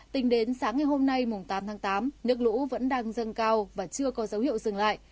tính đến sáng ngày hôm nay tám tháng tám nước lũ vẫn đang dâng cao và chưa có dấu hiệu dừng lại